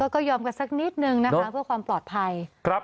ก็ยอมกันสักนิดนึงนะคะเพื่อความปลอดภัย